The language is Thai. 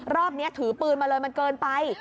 รอบนี้ถือปืนมาเลยมันเกินไป